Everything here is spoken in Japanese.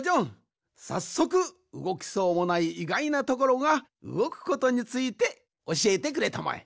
さっそくうごきそうもないいがいなところがうごくことについておしえてくれたまえ。